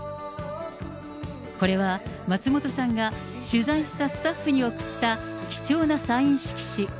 これは松本さんが取材したスタッフに贈った貴重なサイン色紙。